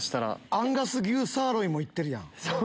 アンガス牛サーロインも行ってるやん。